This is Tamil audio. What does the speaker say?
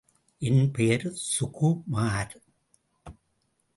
என் பெயர் சுகுமார்.